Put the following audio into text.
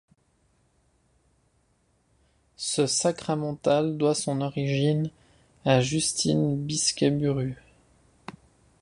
Ce sacramental doit son origine à Justine Bisqueyburu.